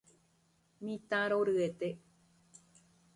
Mitã roryete